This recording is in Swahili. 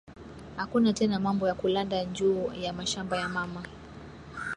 Akuna tena mambo ya kulanda nju ya mashamba ya mama